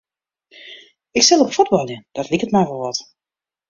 Ik sil op fuotbaljen, dat liket my wol wat.